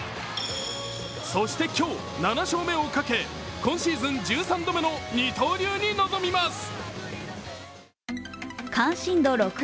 そして、今日、７勝目を懸け今シーズン１３度目の二刀流に臨みます。